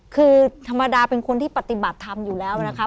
คือธรรมดาเป็นคนที่ปฏิบัติธรรมอยู่แล้วนะคะ